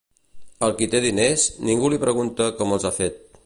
Al qui té diners, ningú li pregunta com els ha fet.